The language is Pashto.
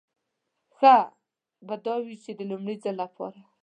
ښه به دا وي چې د لومړي ځل لپاره.